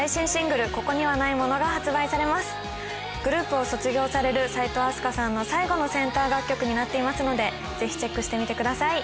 グループを卒業される齋藤飛鳥さんの最後のセンター楽曲になっていますのでぜひチェックしてみてください。